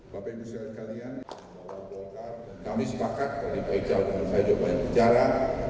bapak ibu saya sekalian kami sepakat pak icao dan pak jokowi bicara